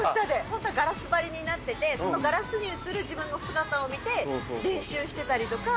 本当、ガラス張りになってて、そのガラスに映る自分の姿を見て、練習してたりとか。